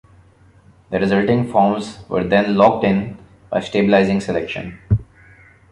The resulting forms were then "locked in" by stabilizing selection.